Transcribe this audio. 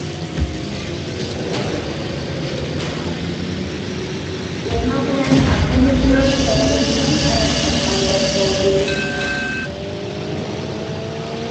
بۇنىڭ بىلەن ئابلىمىتنىڭ كۆڭلى سەل ئارام تاپقاندەك بولدى.